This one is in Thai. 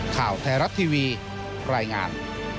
ข่าวแทรศทีวีรายงาน